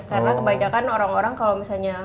karena kebanyakan orang orang kalau misalnya